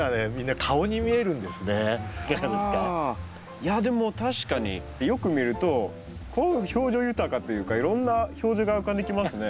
いやでも確かによく見ると表情豊かというかいろんな表情が浮かんできますね。